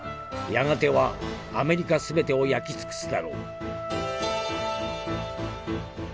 やがてはアメリカ全てを焼き尽くすだろう」。